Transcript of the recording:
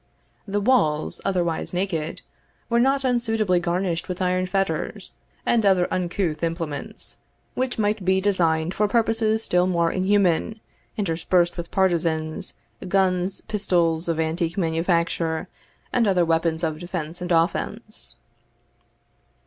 The walls, otherwise naked, were not unsuitably garnished with iron fetters, and other uncouth implements, which might be designed for purposes still more inhuman, interspersed with partisans, guns, pistols of antique manufacture, and other weapons of defence and offence.